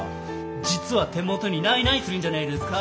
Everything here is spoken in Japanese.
実は手元にないないするんじゃねえですか？